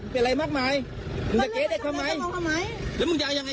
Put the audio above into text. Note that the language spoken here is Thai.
เพื่อนมึงดูแน่นอนไง